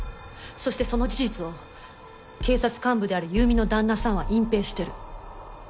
そしてその事実を警察幹部である優美の旦那さんは隠蔽してる。